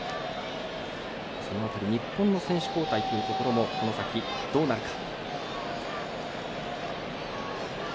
その辺り日本の選手交代というところもこの先、どうなるか。